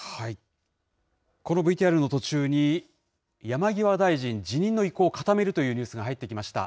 山際大臣、辞任の意向を固めるというニュースが入ってきました。